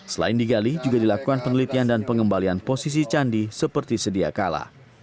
selain digali juga dilakukan penelitian dan pengembalian posisi candi seperti sedia kala